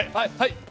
はい！